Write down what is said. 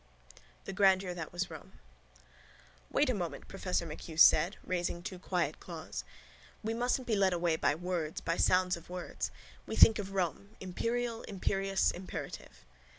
THE GRANDEUR THAT WAS ROME —Wait a moment, professor MacHugh said, raising two quiet claws. We mustn't be led away by words, by sounds of words. We think of Rome, imperial, imperious, imperative.